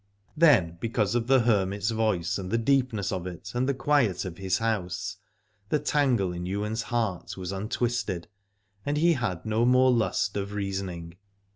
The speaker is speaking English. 52 Aladore Then because of the hermit's voice and the deepness of it and the quiet of his house, the tangle in Ywain's heart was untwisted and he had no more lust of reasoning.